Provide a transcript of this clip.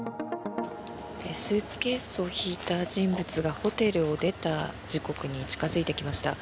スーツケースを引いた人物がホテルを出た時刻に近付いてきました。